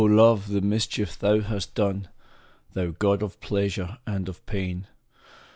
LOVE ! the mischief thou hast done ! Thou god of pleasure and of pain !